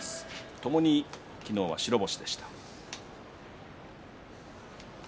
ともに昨日は白星でした。